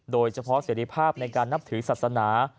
โดยเฉพาะเสรีภาพในการนับถือศาสนา